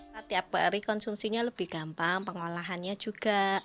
setiap hari konsumsinya lebih gampang pengolahannya juga